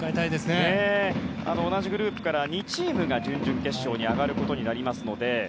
同じグループから２チームが準々決勝に上がることになりますので。